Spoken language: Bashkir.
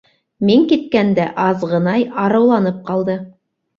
Мин киткәндә азғынай арыуланып ҡалды.